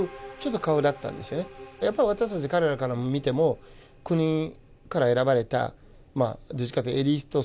やっぱり私たち彼らから見ても国から選ばれたどっちかというとエリート層